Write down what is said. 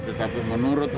tetapi menurut orang